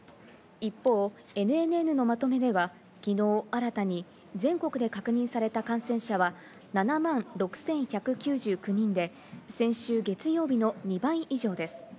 一方、ＮＮＮのまとめでは昨日新たに全国で確認された感染者は７万６１９９人で、先週月曜日の２倍以上です。